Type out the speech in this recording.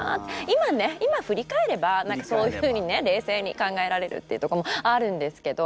今ね今ふり返れば何かそういうふうにね冷静に考えられるっていうとこもあるんですけど。